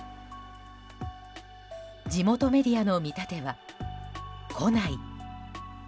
地元メディアの見立ては来ない。